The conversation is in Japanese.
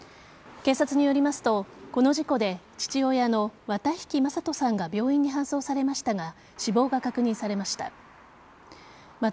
警察によりますと、この事故で父親の綿引正人さんが病院に搬送されましたが死亡が確認されました。